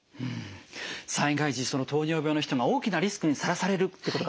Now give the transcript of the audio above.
災害時糖尿病の人が大きなリスクにさらされるってことが分かりましたね。